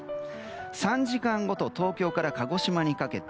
３時間ごと東京から鹿児島にかけて。